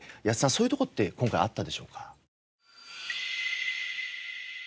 そういうとこって今回あったでしょうか？